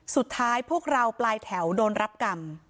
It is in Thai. สุดท้ายพวกเราปลายแถวโดนรับกรรม